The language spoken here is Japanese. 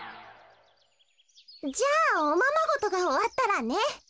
じゃあおままごとがおわったらね。